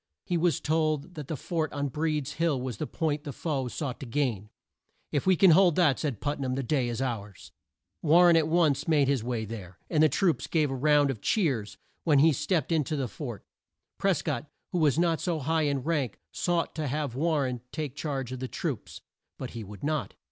He was told that the fort on Breed's Hill was the point the foe sought to gain. "If we can hold that," said Put nam, "the day is ours." War ren at once made his way there, and the troops gave a round of cheers when he stepped in to the fort. Pres cott, who was not so high in rank, sought to have War ren take charge of the troops. But he would not.